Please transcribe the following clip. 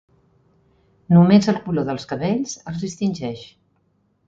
Només el color dels cabells els distingeix.